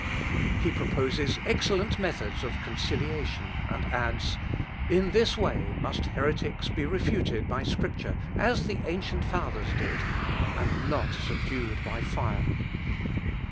He proposes excellent methods of conciliation, and adds "In this way must heretics be refuted by Scripture, as the ancient fathers did, and not subdued by fire.